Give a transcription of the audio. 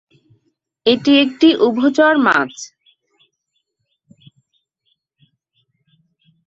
এটি একটি উভচর মাছ।